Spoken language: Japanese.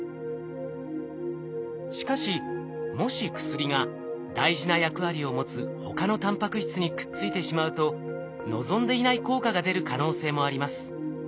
しかしもし薬が大事な役割を持つ他のタンパク質にくっついてしまうと望んでいない効果が出る可能性もあります。